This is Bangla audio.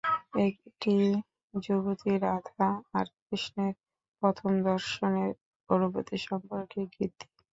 এটি যুবতী রাধা আর কৃষ্ণের প্রথম দর্শনের অনুভূতি সম্পর্কিত গীতি।